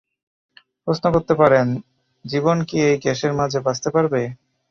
প্রশ্ন করতে পারেন, জীবন কী এই গ্যাসের মাঝে বাচতে পারবে?